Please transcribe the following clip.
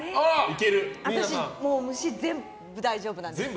私、虫全部大丈夫なんです。